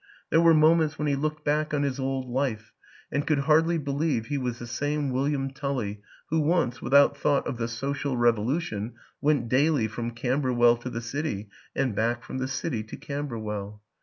There were moments when he looked back on his old life and could hardly believe he was the same William Tully who once, without thought of the Social Revolution, went daily from Camberwell to the City and back from the City to Camberwell.